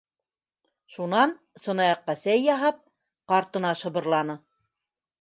Шунан, сынаяҡҡа сәй яһап, ҡартына шыбырланы: